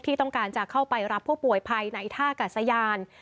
ที่ต้องการจะเข้าไปรับผู้ป่วยภายในท่ากาศยาน